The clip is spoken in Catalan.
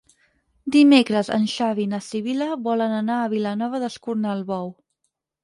Dimecres en Xavi i na Sibil·la volen anar a Vilanova d'Escornalbou.